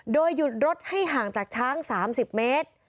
โดยหยุดรถให้ห่างจากช้าง๓๐เมตร